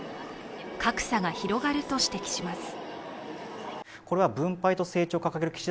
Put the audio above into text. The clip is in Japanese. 格差が広がると指摘します。